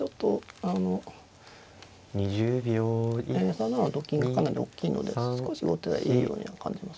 ３七のと金がかなり大きいので少し後手がいいようには感じます。